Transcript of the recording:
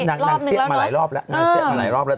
นางเสี้ยงมาหลายรอบแล้วแล้ว